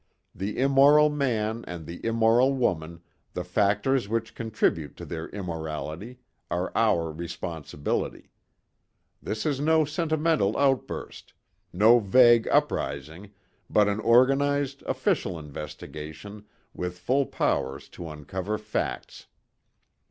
The immoral man and the immoral woman, the factors which contribute to their immorality, are our responsibility. This is no sentimental outburst, no vague uprising but an organized, official investigation with full powers to uncover facts.